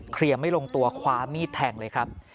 เคลียร์ไม่ลงตัวคว้ามีดแทงเลยครับ